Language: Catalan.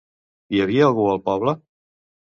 Hi havia algú al poble?